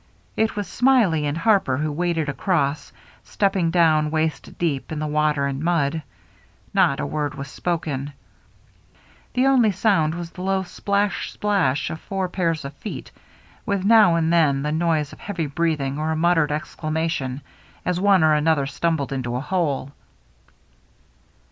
It was Smiley and Harper who waded across, stepping down waist deep in the water and mud. Not a word was spoken. The only sound was the low splash splash of four pairs of feet, with now and then 352 THE MERRT ANNE the noise of heavy breathing or a muttered ex clamation as one or another stumbled into a hole.